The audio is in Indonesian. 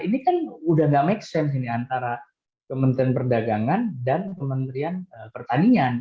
ini kan udah gak make sense ini antara kementerian perdagangan dan kementerian pertanian